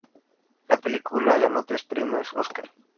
La película ganó tres premios Oscar.